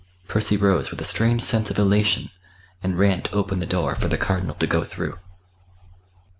Percy rose with a strange sense of elation, and ran to open the door for the Cardinal to go through.